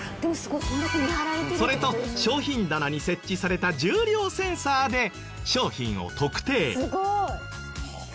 それと商品棚に設置された重量センサーで商品を特定。